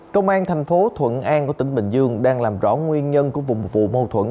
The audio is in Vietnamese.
công an thành phố thuận an của tỉnh bình dương đang làm rõ nguyên nhân của vụ một vụ mâu thuẫn